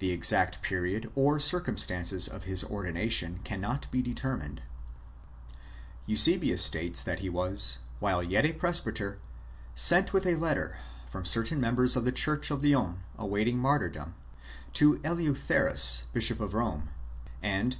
The exact period or circumstances of his ordination cannot be deter mined. Eusebius states {Hist. Eccl. v. 4) that he was, while yet a presbyter, sent with a letter, from certain members of the church of Lyons awaiting martyrdom, to Eleutherus, bishop of Rome ; and that (v.